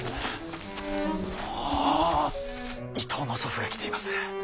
伊東の祖父が来ています。